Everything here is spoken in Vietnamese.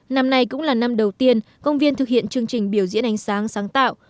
năm nay cũng là năm đầu tiên công viên thực hiện chương trình biểu diễn ánh sáng sáng tạo